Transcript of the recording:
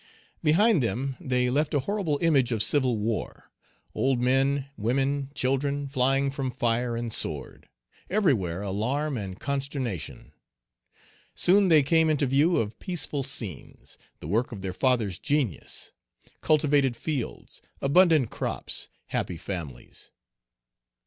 Behind them they left a horrible image of civil war, old men, women, children, flying from fire and sword; everywhere alarm and consternation. Soon they came into view of peaceful scenes, the work of their father's genius, cultivated fields, abundant crops, happy families.